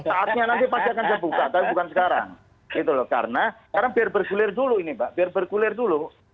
saatnya nanti saya akan buka tapi bukan sekarang itu loh karena biar bergulir dulu ini pak biar bergulir dulu